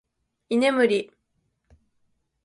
居眠り